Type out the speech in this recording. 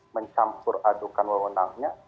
mencampur adukan wewenangnya